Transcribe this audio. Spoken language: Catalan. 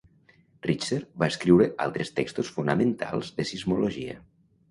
Richter va escriure altres textos fonamentals de sismologia.